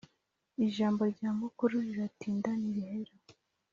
Ijambo rya mukuru riratinda ntirihera.